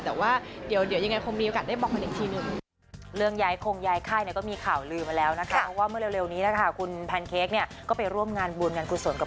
ตอนนี้ยังไม่ได้ยังไม่เรียบร้อยในเรื่องนั้นนะคะ